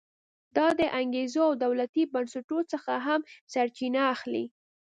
دا د انګېزو او دولتي بنسټونو څخه هم سرچینه اخلي.